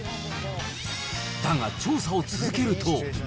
だが、調査を続けると。